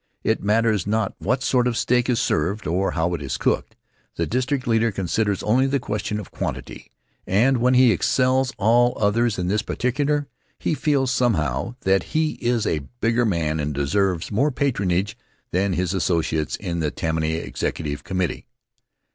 It matters not what sort of steak is served or how it is cooked; the district leader considers only the question of quantity, and when he excels all others in this particular, he feels, somehow, that he is a bigger man and deserves more patronage than his associates in the Tammany Executive Committee.